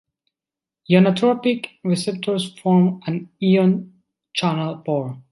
Ionotropic receptors form an ion channel pore.